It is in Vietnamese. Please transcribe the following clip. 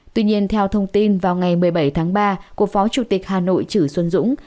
tuy nhiên theo thông tin vào ngày một mươi bảy tháng ba của phó chủ tịch hà nội chử xuân dũng